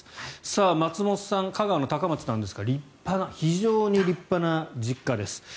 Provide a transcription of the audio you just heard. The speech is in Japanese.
松本さん、香川の高松なんですが非常に立派な実家です。